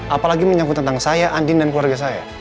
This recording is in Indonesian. apalagi menyangkut tentang saya andin dan keluarga saya